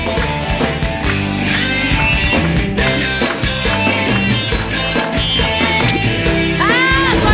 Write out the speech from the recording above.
อ้าวกดแล้ว